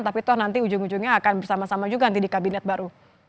tapi toh nanti ujung ujungnya akan bersama sama juga nanti di kabinet baru